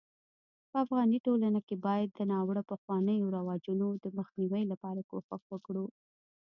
په افغاني ټولنه کي بايد د ناړوه پخوانيو رواجونو دمخ نيوي لپاره کوښښ وکړو